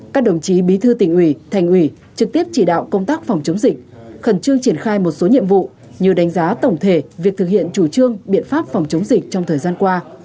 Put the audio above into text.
các đồng chí bí thư tỉnh ủy thành ủy trực tiếp chỉ đạo công tác phòng chống dịch khẩn trương triển khai một số nhiệm vụ như đánh giá tổng thể việc thực hiện chủ trương biện pháp phòng chống dịch trong thời gian qua